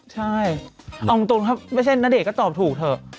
ใช่เอาจริงถ้าไม่ใช่ณเดชนก็ตอบถูกเถอะ